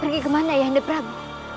pergi kemana ya anda prabu